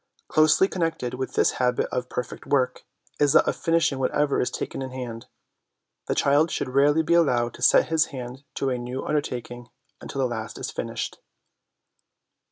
Closely connected with this habit of ' perfect work ' is that of finishing whatever is taken in hand. The child should rarely be allowed to set his hand to a new undertaking until the last is finished.